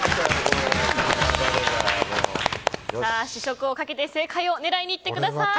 試食をかけて正解を狙いにいってください。